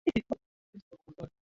Rinda limeoshwa